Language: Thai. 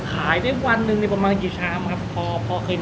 ขายได้วันหนึ่งประมาณกี่ชามครับพอพอคืน